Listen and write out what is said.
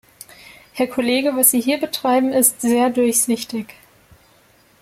Herr Kollege, was Sie hier betreiben, ist sehr durchsichtig.